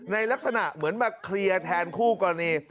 ลักษณะเหมือนมาเคลียร์แทนคู่กรณี